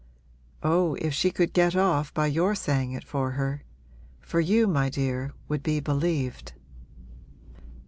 Oh, if she could get off by your saying it for her! for you, my dear, would be believed.'